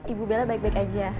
ibu bella baik baik aja